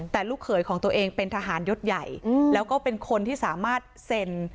แต่ลูกเขยของตัวเองเป็นทหารยศใหญ่แล้วก็เป็นคนที่สามารถเซ็น